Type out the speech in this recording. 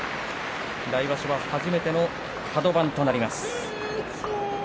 来場所は初めてのカド番となります。